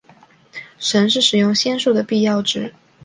神是使用仙术的必要值。